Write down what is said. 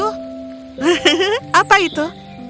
hehehe apa itu